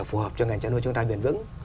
phù hợp cho ngành trai nuôi chúng ta biển vững